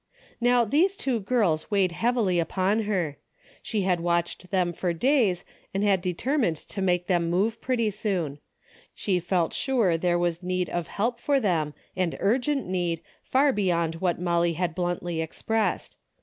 How these two girls weighed heavily upon her. She had watched them for days and had determined to make some move pretty soon. She felt sure there was need of help for them, and urgent need, far beyond what Molly had bluntly expressed.